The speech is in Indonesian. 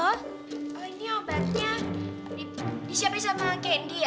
oh ini obatnya disiapin sama kendi ya